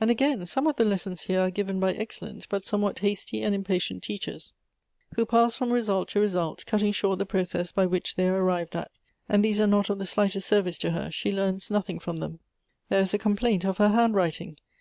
And again, some of the lessons here are given by excellent, but somewhat hasty and impatient teachers, who pass from result to result, cutting short the process by which they are arrived at ; and these are not of the slightest service to her; she learns nothing from them. There is a complaint of her handwriting.